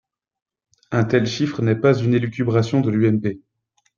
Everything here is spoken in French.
Un tel chiffre n’est pas une élucubration de l’UMP.